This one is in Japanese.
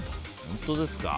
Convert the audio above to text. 本当ですか。